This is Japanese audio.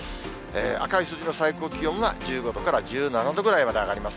赤い数字の最高気温は１５度から１７度ぐらいまで上がります。